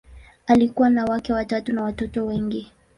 Alikuwa na wake watatu na watoto wengi.